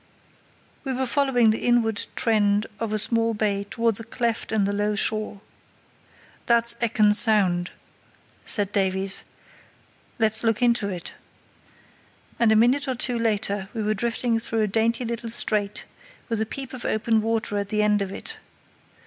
We were following the inward trend of a small bay towards a cleft in the low shore. "That's Ekken Sound," said Davies; "let's look into it," and a minute or two later we were drifting through a dainty little strait, with a peep of open water at the end of it.